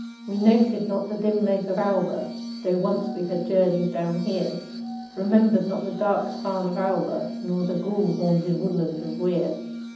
We noted not the dim lake of Auber (Though once we had journeyed down here) Remembered not the dank tarn of Auber, Nor the ghoul haunted woodland of Weir.